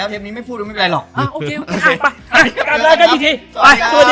เทปนี้ไม่พูดไม่เป็นไรหรอก